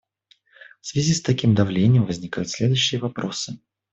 В связи с таким давлением возникают следующие вопросы.